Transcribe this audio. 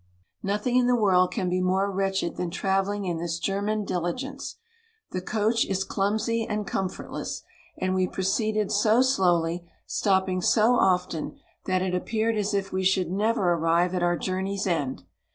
Nothing in the world can be more wretched than travelling in this Ger man diligence: the coach is clumsy and comfortless, and we proceeded so slowly, stopping so often, that it ap peared as if we should never arrive at our journey's end.